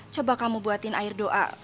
coba kamu buatin air doa